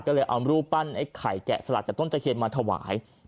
ก็เลยเอารูปปั้นไอ้ไข่แกะสลักจากต้นตะเคียนมาถวาย